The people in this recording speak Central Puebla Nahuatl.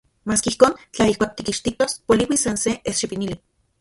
Maski ijkon, tla ijkuak tikixtijtos poliuis san se eschipinili...